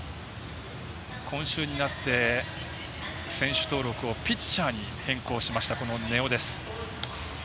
今週になって選手登録をピッチャーに変更しました、根尾です。